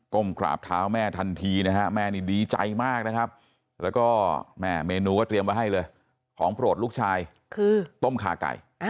้มกราบเท้าแม่ทันทีนะฮะแม่นี่ดีใจมากนะครับแล้วก็แม่เมนูก็เตรียมไว้ให้เลยของโปรดลูกชายคือต้มขาไก่